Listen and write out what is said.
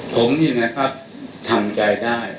ผมนี่นะครับทำใจได้